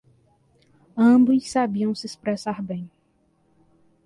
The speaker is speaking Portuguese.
Ambos sabiam se expressar bem.